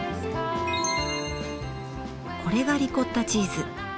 これがリコッタチーズ。